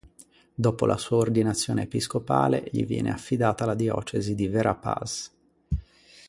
Dopo la sua ordinazione episcopale gli viene affidata la diocesi di Verapaz.